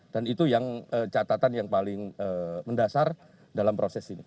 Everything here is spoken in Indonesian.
dan itu catatan yang paling mendasar dalam proses ini